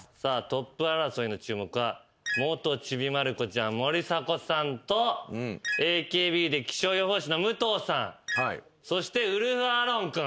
トップ争いの注目は元ちびまる子ちゃん森迫さんとＡＫＢで気象予報士の武藤さんそしてウルフアロン君